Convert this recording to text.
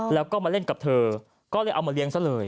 แล้วก็มาเล่นกับเธอก็เลยเอามาเลี้ยงซะเลย